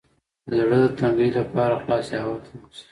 د زړه د تنګي لپاره خلاصې هوا ته ووځئ